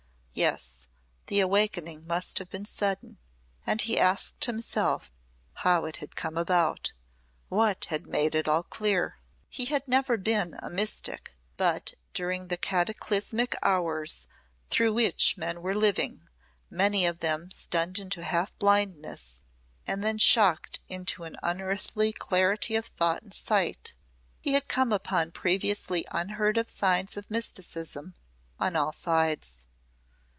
Yes, the awakening must have been sudden and he asked himself how it had come about what had made all clear? He had never been a mystic, but during the cataclysmic hours through which men were living, many of them stunned into half blindness and then shocked into an unearthly clarity of thought and sight, he had come upon previously unheard of signs of mysticism on all sides.